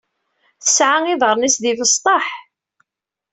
Tesɛa iḍaṛṛen-is d ibesṭaḥ.